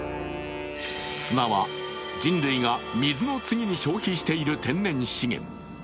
砂は人類が水の次に消費している天然資源。